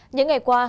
những ngày qua